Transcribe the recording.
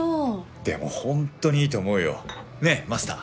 でもほんとにいいと思うよ。ねマスター。